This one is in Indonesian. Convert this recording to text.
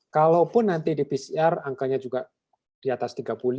kalaupun nanti di pcr angkanya juga di atas tiga puluh lima